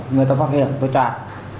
người ta phát hiện tôi chạy